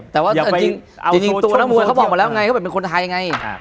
แต่จริงี้ตัวน้องมวยเค้าบอกละเค้าเป็นคนไทย